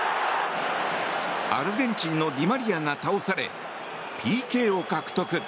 アルゼンチンのディマリアが倒されＰＫを獲得。